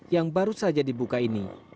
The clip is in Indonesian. yang baru saja dibuka ini